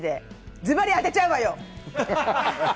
ズバリ当てちゃうわよ！